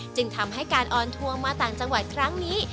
จึงทำให้การออนทัวร์มาต่างจังหวัดครั้งนี้